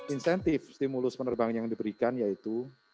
insentif stimulus penerbangan yang diberikan yaitu